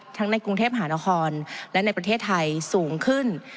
ในกรุงเทพหานครและในประเทศไทยสูงขึ้น